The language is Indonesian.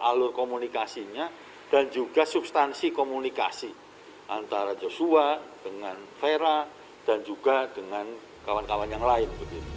alur komunikasinya dan juga substansi komunikasi antara joshua dengan vera dan juga dengan kawan kawan yang lain